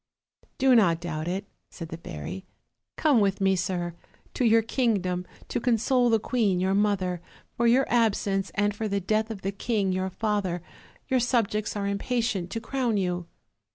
"Do not doubt it," said the fairy; "come with me, sir, to your kingdom to console the queen your mother, for your absence, and for the death of the king your father; your subjects are impatient to crown you."